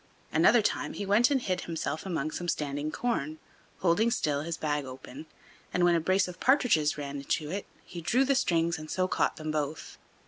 Another time he went and hid himself among some standing corn, holding still his bag open, and when a brace of partridges ran into it he drew the strings and so caught them both.